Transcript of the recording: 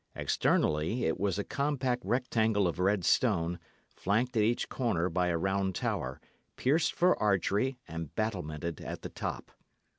Externally, it was a compact rectangle of red stone, flanked at each corner by a round tower, pierced for archery and battlemented at the top.